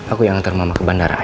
aku yang ngetar mama ke bandara ayo